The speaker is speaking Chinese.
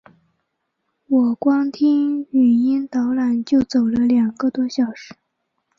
我光听语音导览就走了两个多小时